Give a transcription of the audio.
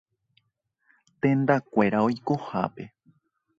Tendakuéra oikohápe.